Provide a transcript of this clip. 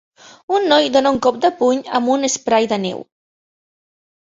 Un noi dona un cop de puny amb un spray de neu